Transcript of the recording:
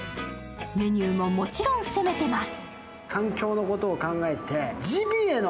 メニューももちろん攻めてます。